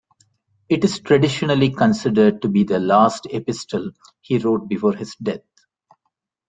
It is traditionally considered to be the last epistle he wrote before his death.